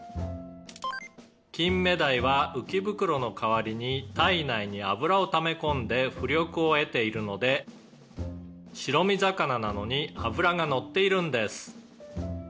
「金目鯛は浮袋の代わりに体内に脂をためこんで浮力を得ているので白身魚なのに脂がのっているんです」